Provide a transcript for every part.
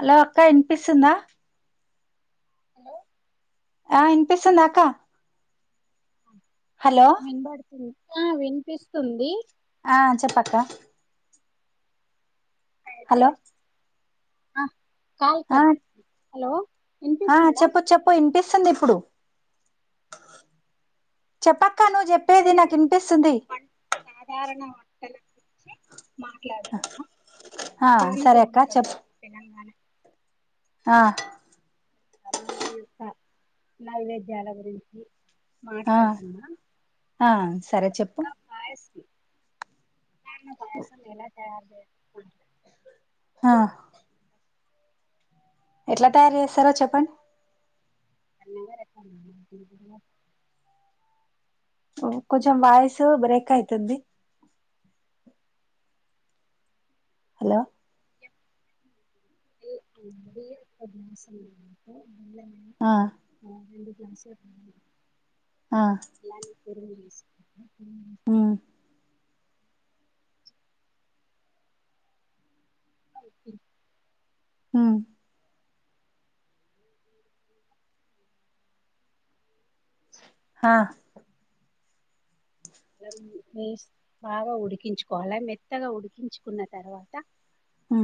అలో అక్క వినిపిస్తుందా? [inaudible] ఆ వినిపిస్తుందా అక్క హలో వినబడుతుంది ఆ వినిపిస్తుంది ఆ చెప్పక్కా అయితే హలో ఆ కాల్ ఆ కట్ హలో ఆ వినిపిస్తుందా చెప్ప చెప్పు వినిపిస్తుంది ఇప్పుడు చెప్పక్క నువ్వు చెప్పేది నాకు ఇనిపిస్తుంది సాధారణ వంటల గురించి హా సరే అక్క చెప్పు ఆ కరణం నడిగి జెప్త నైవేద్యాల గురించి ఆ ఆ సరే చెప్పు బ్యాళ్ళ పాయసం ఎలా తయారు [inaudible] ఆ ఎట్లా తయారు చేస్తారో చెప్పండి ఓ కొంచెం వాయిసు బ్రేక్ అయితంది హలో [inaudible] ఆ [inaudible] ఆ [inaudible] ఉమ్ [inaudible] ఆ హా బాగా ఉడికించుకోవాల మెత్తగా ఉడికించుకున్న తర్వాత ఆ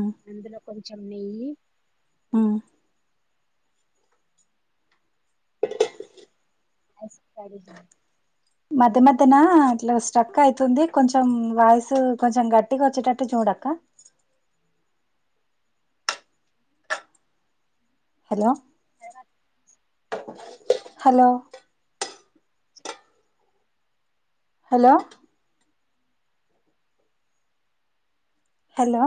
కొంచం నెయ్యి ఆ [inaudible] మద్య మద్యనా ఇట్లొ స్ట్రక్ అయితుంది కొంచెం వాయిసు కొంచెం గట్టిగా వచ్చేటట్టు చూడక్క హలో హలో హలో హలో